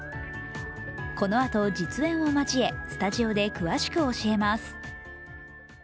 このあと実演を交えスタジオで詳しくお伝えします。